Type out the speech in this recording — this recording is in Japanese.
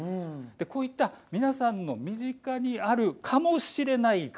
こういった皆さんの身近にあるもの。